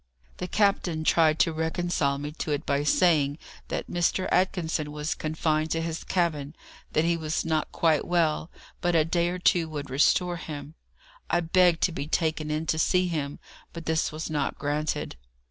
The captain tried to reconcile me to it by saying that Mr. Atkinson was confined to his cabin, that he was not quite well, but a day or two would restore him. I begged to be taken in to see him, but this was not granted.